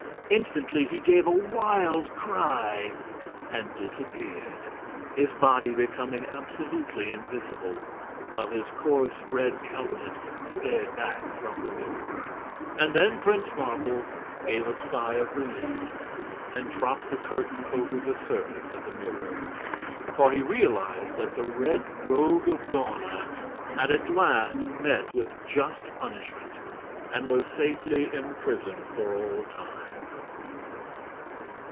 Instantly he gave a wild cry and disappeared, his body becoming absolutely invisible, while his coarse red countenance stared back from the mirror. And then Prince Marvel gave a sigh of relief and dropped the curtain over the surface of the mirror. For he realized that the Red Rogue of Dawna had at last met with just punishment and was safely imprisoned for all time.